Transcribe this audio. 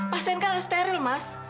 pasien kan harus steril mas